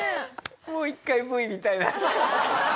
もう一回Ｖ見たいな。